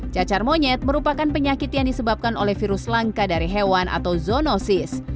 cacar monyet merupakan penyakit yang disebabkan oleh virus langka dari hewan atau zoonosis